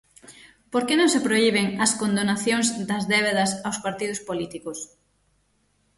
¿Por que non se prohiben as condonacións das débedas aos partidos políticos?